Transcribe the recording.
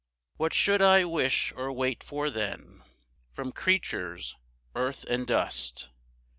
5 What should I wish or wait for then From creatures, earth and dust?